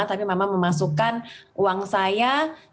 tapi memang memasukkan uang saya